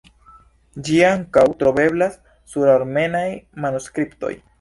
Ĝi ankaŭ troveblas sur armenaj manuskriptoj.